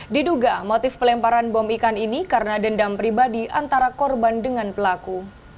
diduga motif pelemparan bom ikan ini karena dendam pribadi antara korban dengan pelaku